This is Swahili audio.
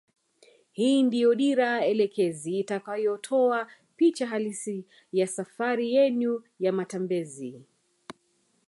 Hii ndio dira elekezi itakayotoa picha halisi ya safari yenu ya matembezi